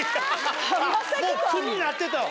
もう区になってたわ。